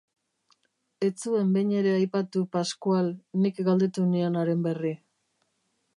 Ez zuen behin ere aipatu Pasquale, nik galdetu nion haren berri.